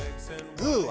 グーは？